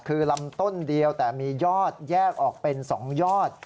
คือลำต้นเดียวแต่มียอดแยกออกเป็น๒ยอด